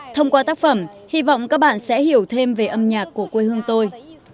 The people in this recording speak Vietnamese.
thông qua tác phẩm hy vọng các bạn sẽ hiểu thêm về âm nhạc của quê hương tôi